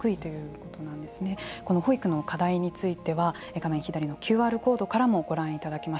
この保育の課題については画面左のＱＲコードからもご覧いただけます。